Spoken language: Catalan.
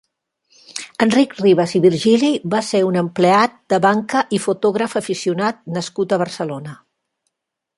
Enric Ribas i Virgili va ser un empleat de banca i fotògraf aficionat nascut a Barcelona.